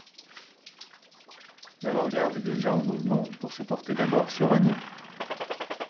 L'avant-garde est déjà en mouvement pour se porter d'abord sur Hanau.